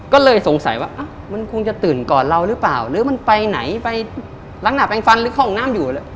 ก็เลยสงสัยว่ามันคงจะตื่นก่อนเราหรือเปล่าหรือมันไปไหนไปลักษณะแปลงฟันหรือเข้าห้องน้ำอยู่